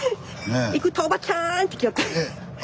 行くと「おばちゃん！」って来よった。